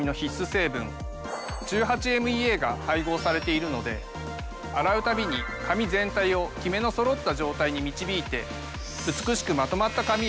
成分１８−ＭＥＡが配合されているので洗うたびに髪全体をキメのそろった状態に導いて。